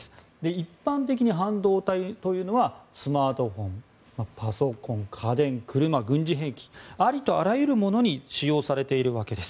一般的に半導体というのはスマートフォン、パソコン、家電車、軍事兵器ありとあらゆるものに使用されているわけです。